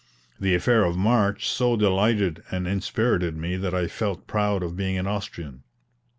The affair of March so delighted and inspirited me that I felt proud of being an Austrian.